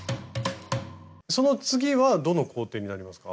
その次はどの工程になりますか？